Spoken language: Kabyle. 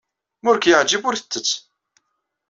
Ma ur k-yeɛjib, ur t-ttett.